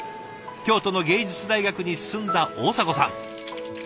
京都の芸術大学に進んだ大迫さん。